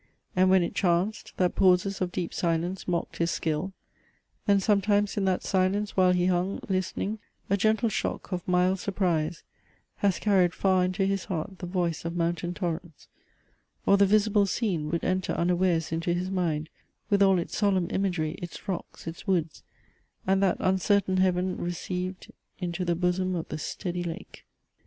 And when it chanced, That pauses of deep silence mocked his skill, Then sometimes in that silence, while he hung Listening, a gentle shock of mild surprise Has carried far into his heart the voice Of mountain torrents; or the visible scene Would enter unawares into his mind With all its solemn imagery, its rocks, Its woods, and that uncertain heaven, received Into the bosom of the steady lake."